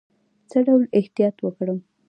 څه ډول احتیاط وکړم؟